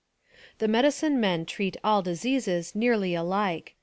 The medicine men treat all diseases nearly alike.